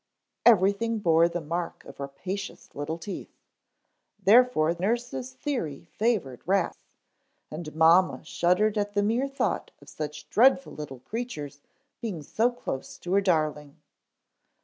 Everything bore the mark of rapacious little teeth. Therefore nurse's theory favored rats, and mamma shuddered at the mere thought of such dreadful little creatures being so close to her darling.